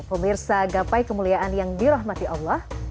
pemirsa gapai kemuliaan yang dirahmati allah